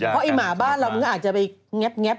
เพราะไอ้หมาบ้านเรามึงอาจจะไปแง๊บ